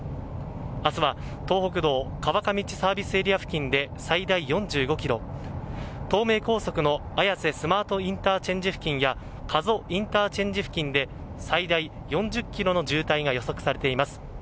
明日は東北道上河内ＳＡ付近で最大４５ｋｍ東名高速の綾瀬スマートＩＣ付近や加須ＩＣ付近で最大４０ｋｍの渋滞が予測されています。